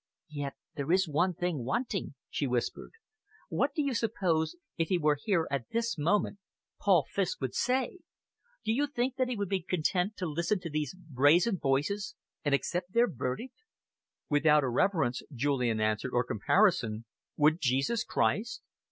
"Yet there is one thing wanting," she whispered. "What do you suppose, if he were here at this moment, Paul Fiske would say? Do you think that he would be content to listen to these brazen voices and accept their verdict?" "Without irreverence," Julian answered, "or comparison, would Jesus Christ?"